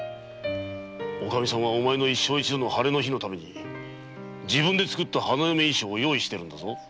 おカミさんはお前の一生一度の晴れの日のために自分で作った花嫁衣装を用意しているんだぞ。